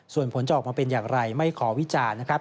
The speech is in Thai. ส่วนผลจะออกมาเป็นอย่างไรไม่ขอวิจารณ์นะครับ